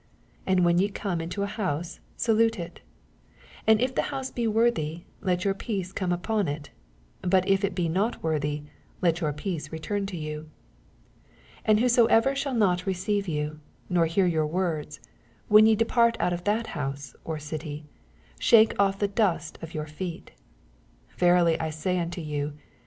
12 And when ye come into an house, salnte it. 18 And if the house be worthy, let your peace come upon it : but if it be not worthy, let your peace return to yau. 14 And whosoever shall not receive yon, nor hear your words, when ye depart out of that house or city, shake off the dust of your feet. 15 Verily I say unto you.